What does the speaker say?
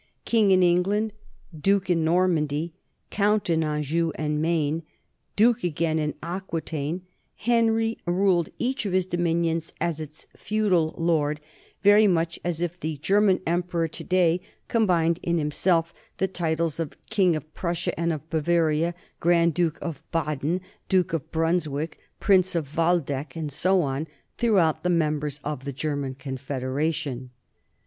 King in England, duke in Normandy, 1 W. S. Ferguson, Greek Imperialism, p. i. THE NORMAN EMPIRE 87 count in Anjou and Maine, duke again in Aquitaine, Henry ruled each of his dominions as its feudal lord very much as if the German Emperor to day combined in himself the titles of king of Prussia and of Bavaria, grand duke of Baden, duke of Brunswick, prince of Waldeck, and so on throughout the members of the German confederation.